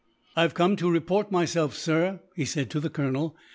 "I have come to report myself, sir," he said to the colonel.